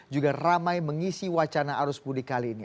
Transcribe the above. juga ramai mengisi wacana arus mudik kali ini